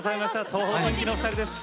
東方神起のお二人です。